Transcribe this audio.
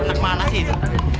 nak mana sih itu